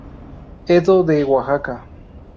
Edo de Oaxaca.